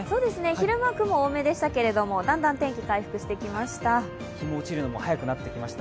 昼間、雲多めでしたけれどもだんだん天気回復してきました。